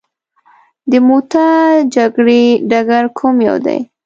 د موته جګړې ډګر کوم یو دی.